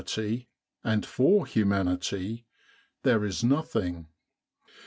in Egypt and for humanity, there is nothing.